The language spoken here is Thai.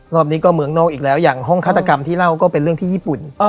รอบนี้ก็เมืองนอกอีกแล้วอย่างห้องฆาตกรรมที่เล่าก็เป็นเรื่องที่ญี่ปุ่น